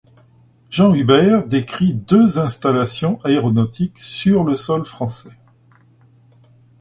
Jean Hubert décrit deux installations aéronautiques sur le sol français.